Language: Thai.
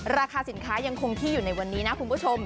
ราคาสินค้ายังคงที่อยู่ในวันนี้นะคุณผู้ชม